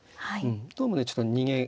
どうもねちょっと逃げ。